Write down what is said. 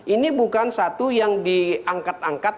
ini bukan satu yang diangkat angkat